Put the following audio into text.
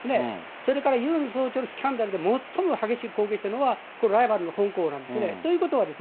それからユン総長のスキャンダルで最も激しく攻撃しているのは、これ、ライバルのホン氏なんですね。